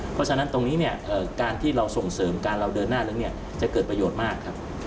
เพราะฉะนั้นตรงนี้การที่เราส่งเสริมการเราเดินหน้าจะเกิดประโยชน์มาก